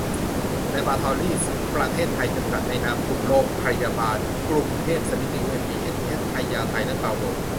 แลบอราทอรีส์ ประเทศไทย จำกัด ในนามกลุ่มโรงพยาบาลกรุงเทพ สมิติเวช บีเอ็นเอช พญาไท และเปาโล